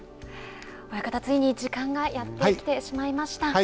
親方、ついに時間がやってきてしまいました。